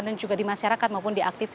dan juga di masyarakat maupun di akun